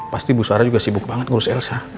pasti bu sarah juga sibuk banget ngurus elsa